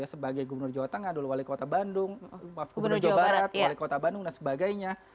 sebagai gubernur jawa tengah dulu wali kota bandung wali kota bandung dan sebagainya